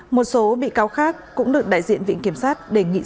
một số bị cáo khác cũng được đại diện viện kiểm sát đề nghị giảm án